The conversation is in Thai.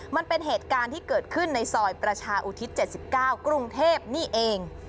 มันเป็นเหตุการณ์ที่เกิดขึ้นในซอยประชาอุทิศ๗๙กรุงเทพนี่เอง